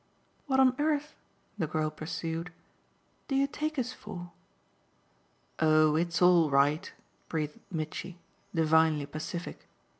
What on earth," the girl pursued, "do you take us for?" "Oh it's all right!" breathed Mitchy, divinely pacific.